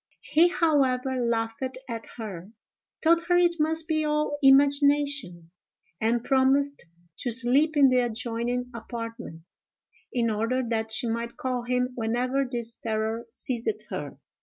He however laughed at her—told her it must be all imagination—and promised to sleep in the adjoining apartment, in order that she might call him whenever this terror seized her.